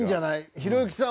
ひろゆきさん